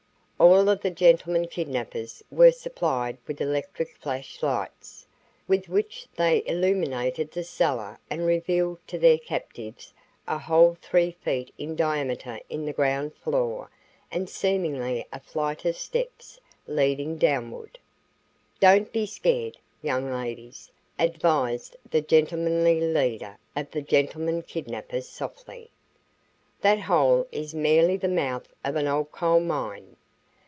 All of the "gentlemen kidnappers" were supplied with electric flash lights, with which they illuminated the cellar and revealed to their captives a hole three feet in diameter in the ground floor and seemingly a flight of steps leading downward. "Don't get scared, young ladies," advised the "gentlemanly leader" of the "gentleman kidnappers" softly. "That hole is merely the mouth of an old coal mine.